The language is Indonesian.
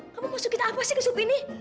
kamu masukin apa sih ke supini